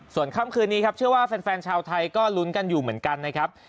ส่วนค่ำคืนนี้ครับเชื่อว่าแฟนชาวไทยก็ลุ้นกันอยู่เหมือนกันนะครับ